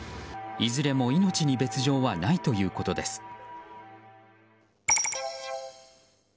いずれも命に別条はないということです。